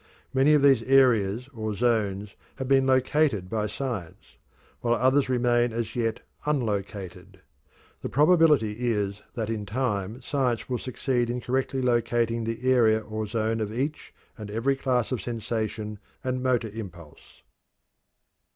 Many of these areas or zones have been located by science, while others remain as yet unlocated. The probability is that in time science will succeed in correctly locating the area or zone of each and every class of sensation and motor impulse.